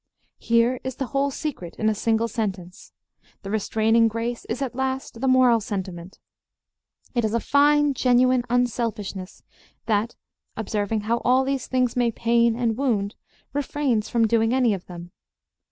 Here is the whole secret in a single sentence. The restraining grace is "at last the moral sentiment." It is a fine genuine unselfishness that, observing how all these things may pain and wound, refrains from doing any of them.